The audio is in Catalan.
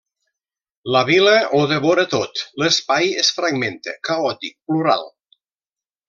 La vila ho devora tot, l'espai es fragmenta, caòtic, plural.